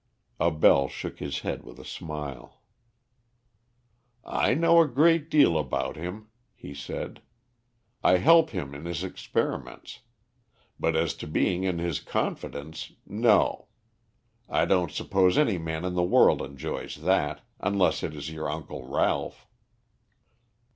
Abell shook his head with a smile. "I know a great deal about him," he said. "I help him in his experiments. But as to being in his confidence no. I don't suppose any man in the world enjoys that, unless it is your uncle Ralph."